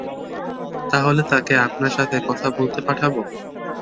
তাহলে তাকে আপনার সাথে কথা বলতে পাঠাব?